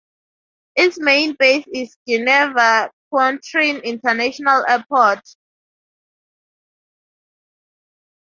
Its main base is Geneva Cointrin International Airport.